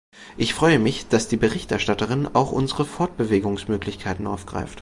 Ich freue mich, dass die Berichterstatterin auch unsere Fortbewegungsmöglichkeiten aufgreift.